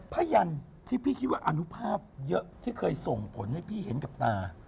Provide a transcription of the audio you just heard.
ยันที่พี่คิดว่าอนุภาพเยอะที่เคยส่งผลให้พี่เห็นกับตา